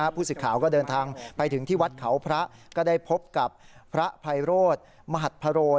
ผู้สื่อข่าวก็เดินทางไปถึงที่วัดเขาพระก็ได้พบกับพระไพโรธมหัสพโร